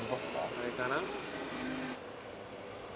あれかな。